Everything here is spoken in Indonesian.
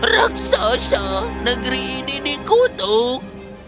raksasa negri ini dikutuk